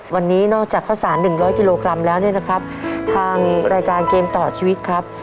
วันนี้นอกจากข้าวสาร๑๐๐กิโลกรัมแล้วเนี่ยนะครับทางรายการเกมต่อชีวิตครับ